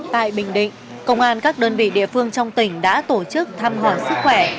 tại bình định công an các đơn vị địa phương trong tỉnh đã tổ chức thăm hỏi sức khỏe